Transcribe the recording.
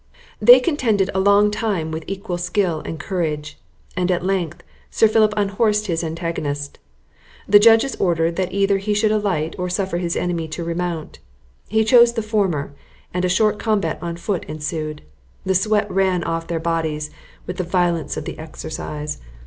They contended a long time with equal skill and courage; at length Sir Philip unhorsed his antagonist. The judges ordered, that either he should alight, or suffer his enemy to remount; he chose the former, and a short combat on foot ensued. The sweat ran off their bodies with the violence of the exercise.